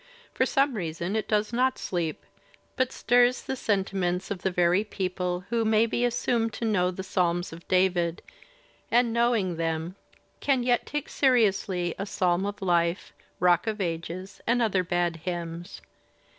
For some reason it does not sleep, but stirs the sentiments of the very people who may be assumed to know the Psahns of David, and knowing them can yet take seriously "A Psalm of Life," "Rock of Ages," and other bad hymns!